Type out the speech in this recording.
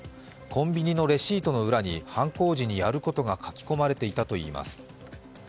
コンビニのレシートの裏に犯行時にやることが書き込まれていたといいます。